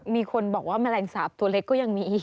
มีคนบอกว่าแมลงสาปตัวเล็กก็ยังมีอีก